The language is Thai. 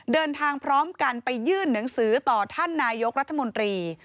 เดินทางพร้อมกันไปยื่นหนังสือต่อท่านนายกรัฐมนตรี